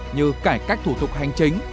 như cải cách thủ thuộc hành chính